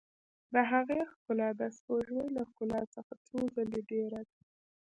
د هغې ښکلا د سپوږمۍ له ښکلا څخه څو ځلې ډېره ده.